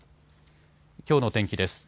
きょうの天気です。